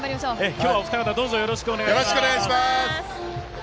今日はお二方、どうぞよろしくお願いいたします。